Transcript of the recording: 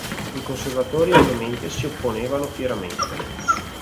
I conservatori ovviamente si opponevano fieramente.